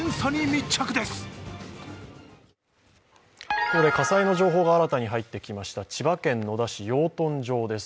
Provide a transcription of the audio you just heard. ここで火災の情報が新たに入ってきました、千葉県野田市養豚場です。